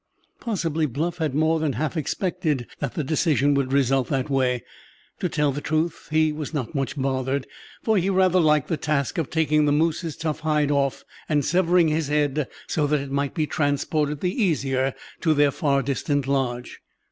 Possibly Bluff had more than half expected that the decision would result that way. To tell the truth, he was not much bothered, for he rather liked the task of taking the moose's tough hide off and severing his head so that it might be transported the easier to their far distant lodge.